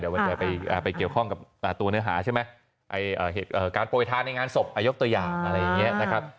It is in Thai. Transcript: ว่าจะไปเกี่ยวข้องกับตัวเนื้อหาใช่ไหมการโปรยทานในงานศพยกตัวอย่างอะไรอย่างนี้นะครับ